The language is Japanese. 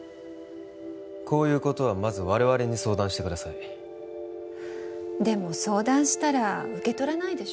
こういうことはまず我々に相談してくださいでも相談したら受け取らないでしょ？